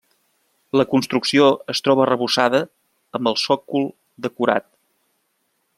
La construcció es troba arrebossada, amb el sòcol decorat.